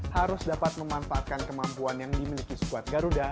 harus dapat memanfaatkan kemampuan yang dimiliki squad garuda